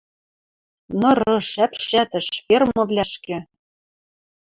Нырыш, ӓпшӓтӹш, фермывлӓшкӹ: